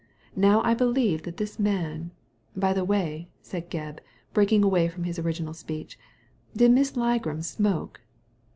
Now I believe that this man By the way," said Gebb, breaking away from his original speech, "did Miss Ligram smoke